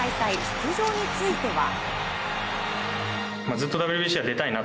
出場については。